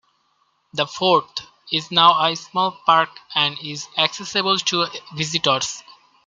The fort is now a small park and is accessible to visitors.